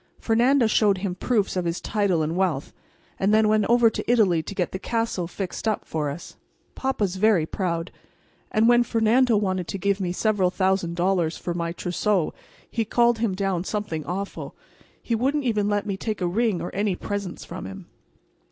Fernando showed him proofs of his title and wealth, and then went over to Italy to get the castle fixed up for us. Papa's very proud, and when Fernando wanted to give me several thousand dollars for my trousseau he called him down something awful. He wouldn't even let me take a ring or any presents from him.